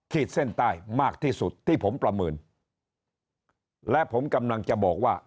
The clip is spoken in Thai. เส้นใต้มากที่สุดที่ผมประเมินและผมกำลังจะบอกว่า